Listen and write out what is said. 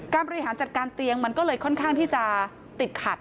บริหารจัดการเตียงมันก็เลยค่อนข้างที่จะติดขัด